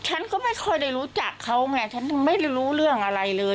ฉันก็ไม่ค่อยได้รู้จักเขาไงฉันไม่รู้เรื่องอะไรเลย